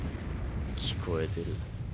聞こえてる。